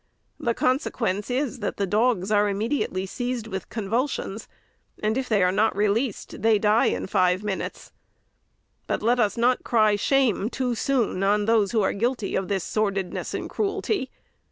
The con sequence is, that the dogs are immediately seized with convulsions, and, if not released, they die in five minutes. But let us not cry, Shame! too soon on those who are guilty of this sordidness and cruelty.